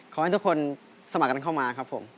ขอให้ทุกคนสมัครกันเข้ามาครับผม